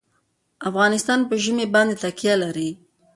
افغانستان په ژمی باندې تکیه لري.